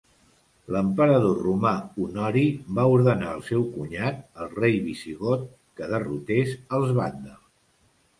L'emperador romà Honori va ordenar al seu cunyat, el rei visigot, que derrotés els vàndals.